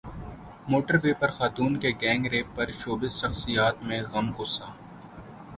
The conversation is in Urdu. موٹر وے پر خاتون کے گینگ ریپ پرشوبز شخصیات میں غم غصہ